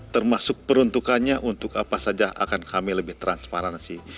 termasuk peruntukannya untuk apa saja akan kami lebih transparansi